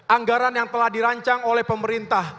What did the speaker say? anggaran yang telah dirancang oleh pemerintah